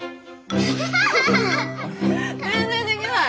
全然できない。